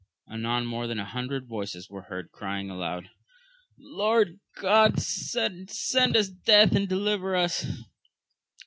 Anon more than a hundred voices were heard crying aloud, Lord God send us death and deliver us!